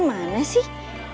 roman mana sih